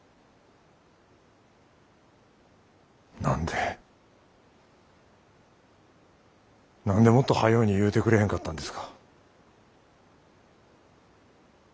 何で何でもっと早うに言うてくれへんかったんですか。